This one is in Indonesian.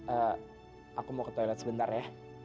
eh aku mau ke toilet sebentar ya